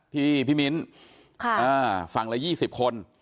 พี่มิ้นฝั่งละ๒๐คน